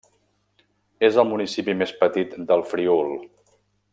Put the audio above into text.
És el municipi més petit del Friül.